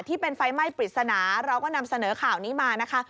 ที่เป็นไฟไหม้ปริศนาเราก็นำเสนอข่าวนี้มานะคะ